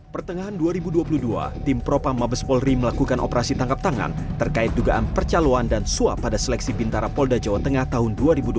pertengahan dua ribu dua puluh dua tim propam mabes polri melakukan operasi tangkap tangan terkait dugaan percaloan dan suap pada seleksi bintara polda jawa tengah tahun dua ribu dua puluh